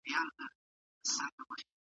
د خلوت له الاهو څخه سرسام سو